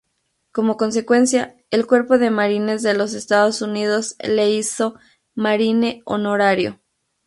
Como consecuencia, el Cuerpo de Marines de los Estados Unidos le hizo Marine honorario.